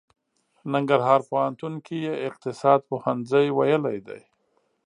ننګرهار پوهنتون کې يې اقتصاد پوهنځی ويلی دی.